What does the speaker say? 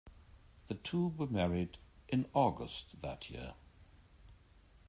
The two were married in August that year.